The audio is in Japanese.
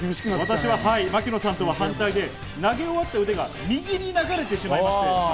私は槙野さんと反対で、投げ終わった腕が右に流れてしまいました。